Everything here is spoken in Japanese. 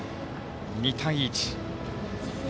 ２対１。